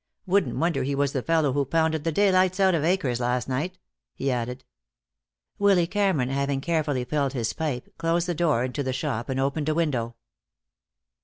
Wouldn't wonder he was the fellow who pounded the daylights out of Akers last night," he added. Willy Cameron, having carefully filled his pipe, closed the door into the shop, and opened a window.